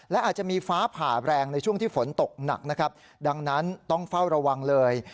และอาจจะมีฟ้าผ่าแรงในช่วงที่ฝนตกหนักนะครับดังนั้นต้องเฝ้าระวังเลย